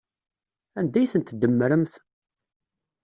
Anda ay tent-tdemmremt?